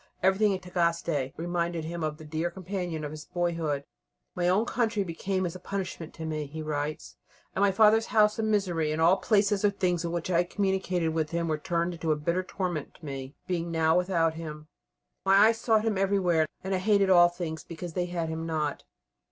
Everything in Tagaste reminded him of the dear companion of his boyhood. "My own country became a punishment to me," he writes, "and my father's house a misery, and all places or things in which I had communicated with him were turned into a bitter torment to me, being now without him. My eyes sought him everywhere, and I hated all things because they had him not."